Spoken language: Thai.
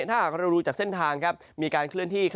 ถ้าหากเราดูจากเส้นทางมีการเคลื่อนที่